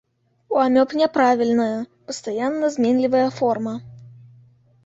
У амёб няправільная, пастаянна зменлівая форма.